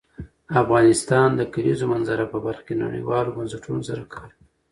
افغانستان د د کلیزو منظره په برخه کې نړیوالو بنسټونو سره کار کوي.